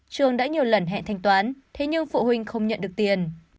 trường đã nhiều lần hẹn thanh toán thế nhưng phụ huynh không nhận được tiền